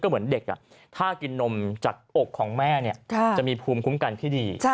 เหมือนเด็กถ้ากินนมจากอกของแม่จะมีภูมิคุ้มกันที่ดี